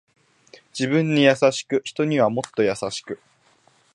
自分に優しく人にはもっと優しく